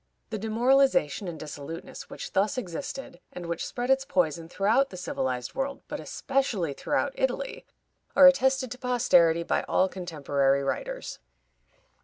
The demoralization and dissoluteness which thus existed, and which spread its poison throughout the civilized world, but especially throughout Italy, are attested to posterity by all contemporary writers.